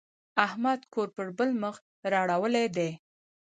احمد کور پر بل مخ را اړولی دی.